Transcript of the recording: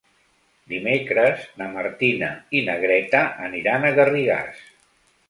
Dimecres na Martina i na Greta aniran a Garrigàs.